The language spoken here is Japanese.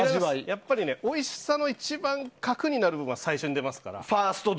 おいしさの一番核になる部分が最初に出ますから。